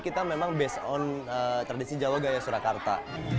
kita memang based on tradisi jawa gaya surakarta